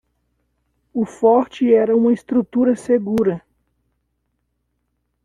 O forte era uma estrutura segura.